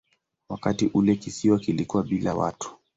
Wakati ule kisiwa kilikuwa bila watu.